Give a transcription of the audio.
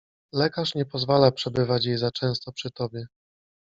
— Lekarz nie pozwala przebywać jej za często przy tobie.